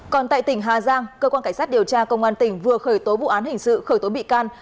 còn tại tỉnh hà giang cơ quan cảnh sát điều tra công an tỉnh vừa khởi tố vụ án hình sự khởi tố bị can